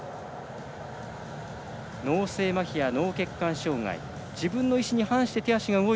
脳性まひや脳血管障がい。